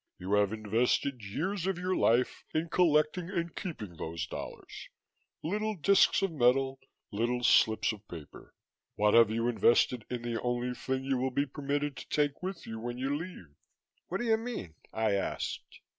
You have invested years of your life in collecting and keeping those dollars little disks of metal, little slips of paper. What have you invested in the only thing you will be permitted to take with you when you leave?" "What do you mean?" I asked.